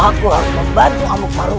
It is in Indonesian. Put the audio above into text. aku harus membantu amok maru